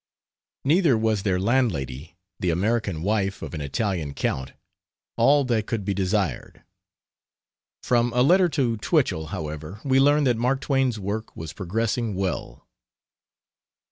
Neither was their landlady, the American wife of an Italian count, all that could be desired. From a letter to Twichell, however, we learn that Mark Twain's work was progressing well.